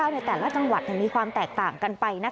ในแต่ละจังหวัดมีความแตกต่างกันไป